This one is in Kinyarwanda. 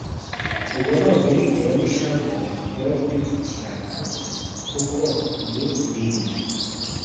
uboroge bitewe n’ ishavu we kuripfukirana kuko ni bibi